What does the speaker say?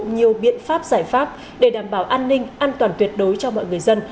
nhiều biện pháp giải pháp để đảm bảo an ninh an toàn tuyệt đối cho mọi người dân